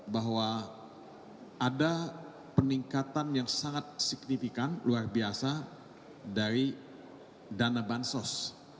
bahwa ada peningkatan yang sangat signifikan luar biasa dari dana bansos